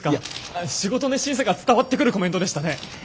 仕事熱心さが伝わってくるコメントでしたね。